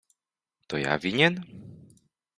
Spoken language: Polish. — To ja winien?